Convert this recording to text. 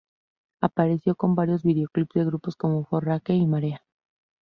Apareció en varios videoclips de grupos como Forraje y Marea.